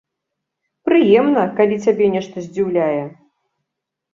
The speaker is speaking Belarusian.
Прыемна, калі цябе нешта здзіўляе!